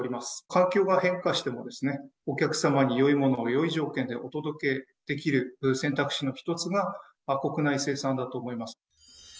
環境が変化しても、お客様によいものをよい条件でお届けできる選択肢の一つが、国内生産だと思います。